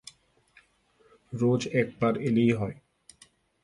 রোজ একবার এলেই হয়!